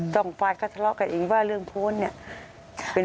สองฝ่ายก็ทะเลาะกันเองว่าเรื่องโพสต์เนี่ย